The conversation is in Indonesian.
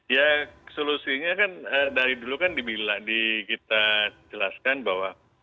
ya solusinya kan dari dulu kan kita jelaskan bahwa